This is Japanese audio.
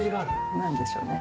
なんでしょうね？